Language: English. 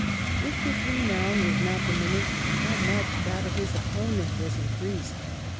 If his renown was not diminished, how much that of his opponent was increased